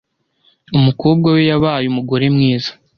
Umukobwa we yabaye umugore mwiza.